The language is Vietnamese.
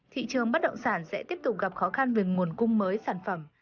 thị trường bất động sản sẽ tiếp tục gặp khó khăn về nguồn cung mới sản phẩm